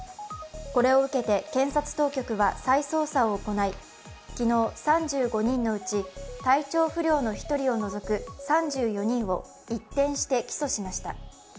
これを受けて検察当局は再捜査を行い昨日３５人のうち体調不良の１人を除く３４人を一転して起訴しました。